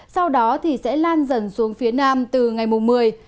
sau đó thì sẽ lan dần xuống phía nam từ ngày một mươi